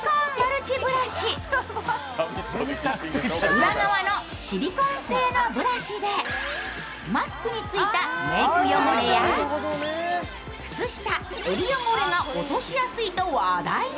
裏側のシリコン製のブラシでマスクについたメーク汚れや靴下、襟汚れが落としやすいと話題に。